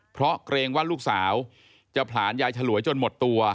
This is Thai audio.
เพราะเกรงว่าลูกสาวจะผลาญยายฉลวยจนหมดตัว